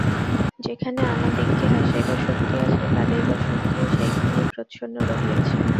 যেখানে আমাদিগকে হাসাইবার শক্তি আছে, কাঁদাইবার শক্তিও সেইখানেই প্রচ্ছন্ন রহিয়াছে।